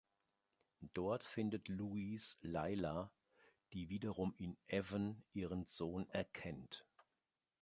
Dort findet Louis Lyla, die wiederum in Evan ihren Sohn erkennt.